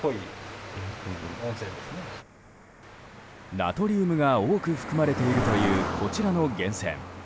ナトリウムが多く含まれているというこちらの源泉。